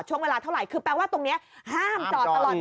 ใช่มากันครบค่ะคุณผู้ชม